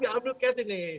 kelama aja ambil cash ini